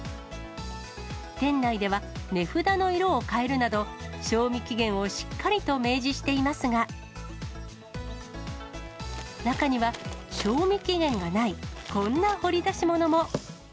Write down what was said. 店内では値札の色を変えるなど、賞味期限をしっかりと明示していますが、中には、賞味期限がないこんな掘り出し物も。